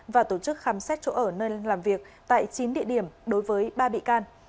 và tổ chức khám xét chỗ ở nơi làm việc tại chín địa điểm đối với ba bị can